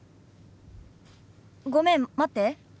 ごめん待って。